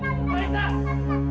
toki si mereka aku berdua